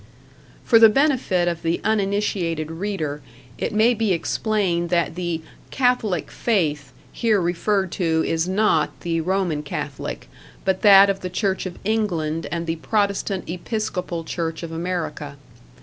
For the benefit of the uninitiated reader, it may be explained that the "Catholick faith" here referred to is not the Roman Catholic, but that of the Church of England and the Protestant Episcopal Church of America.